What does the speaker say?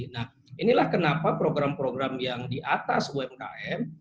nah inilah kenapa program program yang diatas umkm